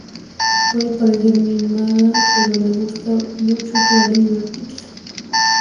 Puede parecer mimada pero le gusta mucho jugar y divertirse.